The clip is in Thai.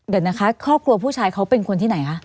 เดี๋ยวนะคะครอบครัวผู้ชายเขาเป็นคนที่ไหนคะ